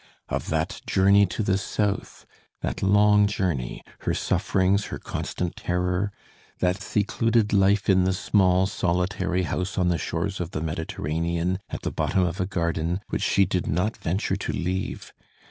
Of that journey to the South, that long journey, her sufferings, her constant terror, that secluded life in the small, solitary house on the shores of the Mediterranean, at the bottom of a garden, which she did not venture to leave.